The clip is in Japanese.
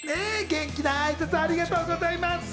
元気な挨拶、ありがとうございます。